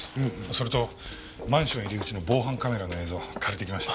それとマンション入り口の防犯カメラの映像借りてきました。